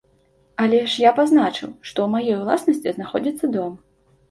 Але ж я пазначыў, што ў маёй уласнасці знаходзіцца дом.